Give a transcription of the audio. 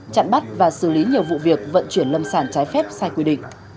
chặn bắt và xử lý nhiều vụ việc vận chuyển lâm sản trái phép sai quy định